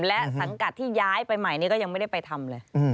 และสังกัดที่ย้ายไปใหม่นี่ก็ยังไม่ได้ไปทำเลย